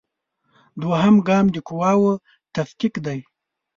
دوهم ګام د قواوو تفکیک دی.